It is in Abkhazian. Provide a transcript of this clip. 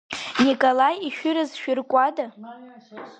Николаи ишәыра зшәыркуада?